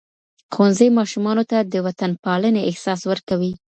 ښوونځي ماشومانو ته د وطنپالنې احساس ورکوي.